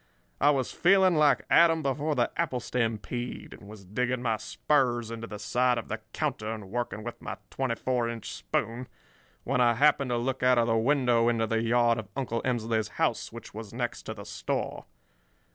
I was feeling like Adam before the apple stampede, and was digging my spurs into the side of the counter and working with my twenty four inch spoon when I happened to look out of the window into the yard of Uncle Emsley's house, which was next to the store.